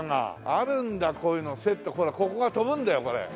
あるんだこういうのほらここが飛ぶんだよこれ。